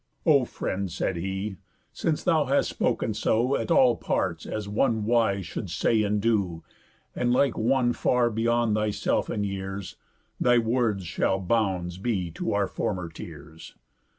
"O friend," said he, "since thou hast spoken so, At all parts as one wise should say and do, And like one far beyond thyself in years, Thy words shall bounds be to our former tears.